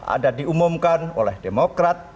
ada diumumkan oleh demokrat